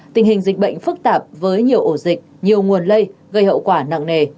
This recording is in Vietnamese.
tình hình dịch bệnh phức tạp với nhiều ổ dịch nhiều nguồn lây gây hậu quả nặng nề